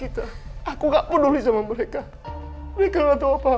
terima kasih api